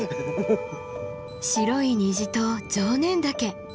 白い虹と常念岳。